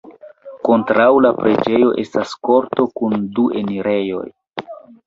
Kontraŭ la preĝejo estas korto kun du enirejoj.